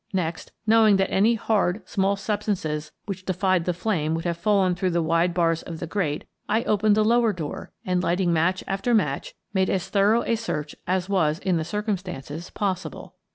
Next, knowing that any hard, small sub stances which defied the flame would have fallen through the wide bars of the grate, I opened the lower door and, lighting match after match, made as thorough a search as was, in the circumstances, possible.